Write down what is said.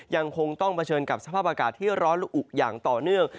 ยังคงต้องเผชิญกับสภาพอากาศที่ร้อนและอุอย่างต่อเนื่อง